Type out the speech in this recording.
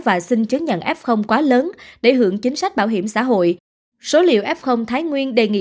và xin chứng nhận f quá lớn để hưởng chính sách bảo hiểm xã hội số liệu f thái nguyên đề nghị